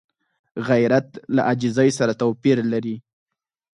غیرت له عاجزۍ سره توپیر لري